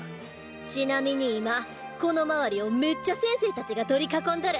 ちなみに今この周りをめっちゃ先生たちが取り囲んどる。